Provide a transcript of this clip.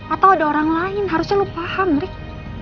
atau ada orang lain harusnya lo paham rick